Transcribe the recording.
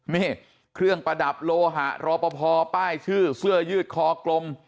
นี่เครื่องประดับโลหะรอปภป้ายชื่อเสื้อยืดคอกลม